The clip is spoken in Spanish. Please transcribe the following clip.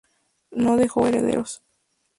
No dejó herederos.